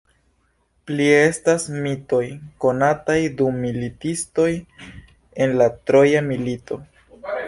Plie estas el mitoj konataj du militistoj el la Troja milito.